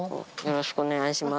よろしくお願いします。